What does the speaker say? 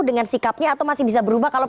dengan sikapnya atau masih bisa berubah kalau